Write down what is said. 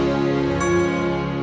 aku mau buktikan